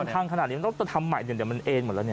บ้านทางขนาดนี้ต้องจะทำใหม่เดี๋ยวมันเอ็นหมดแล้ว